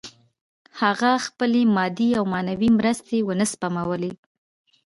هغه خپلې مادي او معنوي مرستې ونه سپمولې